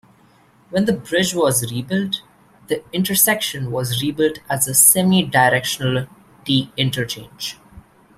When the bridge was rebuilt, the intersection was rebuilt as a semi-directional T interchange.